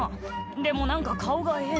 「でも何か顔が変」